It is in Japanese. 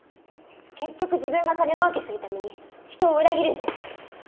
結局自分が金もうけするために人を裏切るんじゃない。